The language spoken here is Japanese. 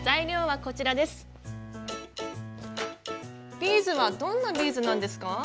ビーズはどんなビーズなんですか？